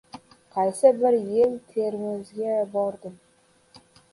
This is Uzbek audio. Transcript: Qaysi bir yili Termizga bordim.